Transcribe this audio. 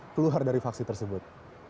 keluar dari faksi tersebut